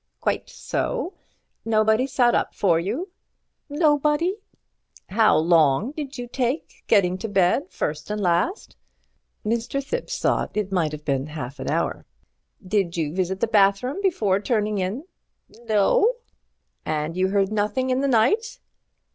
"Quite so. Nobody sat up for you?" "Nobody." "How long did you take getting to bed first and last?" Mr. Thipps thought it might have been half an hour. "Did you visit the bathroom before turning in?" "No." "And you heard nothing in the night?"